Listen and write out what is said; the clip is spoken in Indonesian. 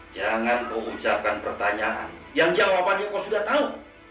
jangan kau ucapkan pertanyaan yang jawabannya kau sudah tahu